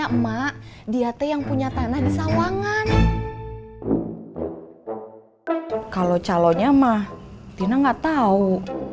sama dia teh yang punya tanah di sawangan kalau calonnya mah tina nggak tahu